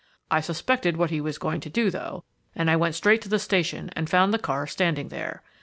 I suspected what he was going to do, though, and I went straight to the station and found the car standing there.